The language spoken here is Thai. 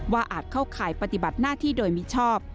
อาจเข้าข่ายปฏิบัติหน้าที่โดยมิชอบ